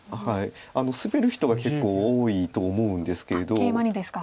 スベる人が結構多いと思うんですけれど。